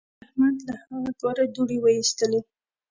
احمد له هغه کاره دوړې واېستلې.